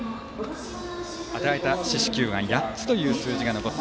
与えた四死球は８つという数字。